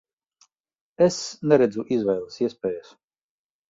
Es neredzu izvēles iespējas.